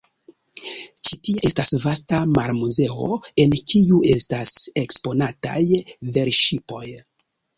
Ĉi tie estas vasta marmuzeo, en kiu estas eksponataj velŝipoj.